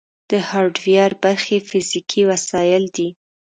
د هارډویر برخې فزیکي وسایل دي.